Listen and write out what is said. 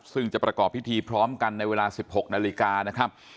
ซึ่งจะประกอบพิธีพร้อมกันในเวลา๑๖นาฬิกานะครับ